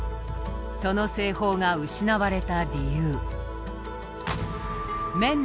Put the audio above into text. その製法が失われた理由。